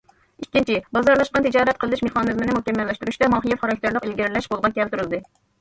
ئىككىنچى، بازارلاشقان تىجارەت قىلىش مېخانىزمىنى مۇكەممەللەشتۈرۈشتە ماھىيەت خاراكتېرلىك ئىلگىرىلەش قولغا كەلتۈرۈلدى.